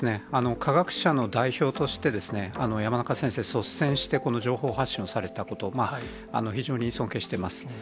科学者の代表として、山中先生、率先してこの情報発信をされたこと、非常に尊敬しています。